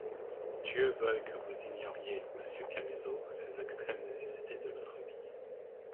Dieu veuille que vous ignoriez, monsieur Camusot, ces extrêmes nécessités de notre vie!